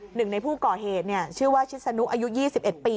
หนึ่งในผู้ก่อเหตุชื่อว่าชิศนุอายุ๒๑ปี